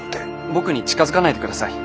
僕に近づかないでください。